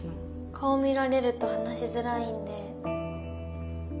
顔見られると話しづらいんで。